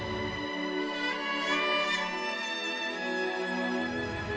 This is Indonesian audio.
tidak ada yang bisa dipercaya